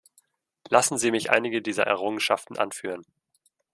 Lassen Sie mich einige dieser Errungenschaften anführen.